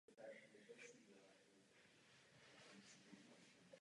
V posledních letech života žil malíř především z císařovy finanční podpory.